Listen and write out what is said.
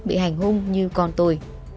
tôi không muốn bị hành hung như con tôi